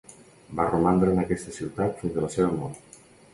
Va romandre en aquesta ciutat fins a la seva mort.